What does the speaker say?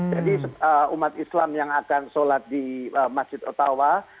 jadi umat islam yang akan solat di masjid ottawa